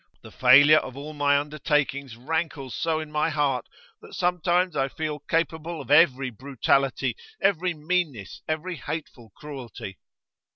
The failure of all my undertakings rankles so in my heart that sometimes I feel capable of every brutality, every meanness, every hateful cruelty.